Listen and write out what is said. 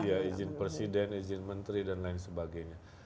iya izin presiden izin menteri dan lain sebagainya